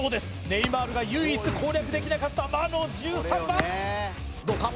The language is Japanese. ネイマールが唯一攻略できなかった魔の１３番どうか？